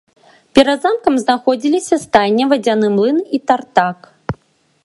Перад замкам знаходзіліся стайня, вадзяны млын і тартак.